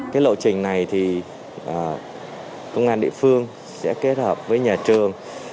cái lộ trình này thì công an địa phương sẽ kết hợp với nhà trường